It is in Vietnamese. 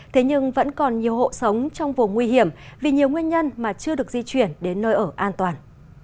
thế nhưng vẫn còn nhiều hộ sống trong vùng nguy hiểm vì nhiều nguyên nhân mà chưa được di chuyển đến nơi ở an toàn